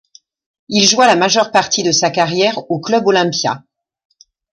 Il joua la majeure partie de sa carrière au Club Olimpia.